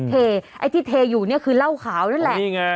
ไอ้ที่เทอยู่เนี่ยคือเหล้าขาวนั่นแหละนี่ไง